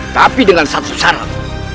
tapi dengan satu saran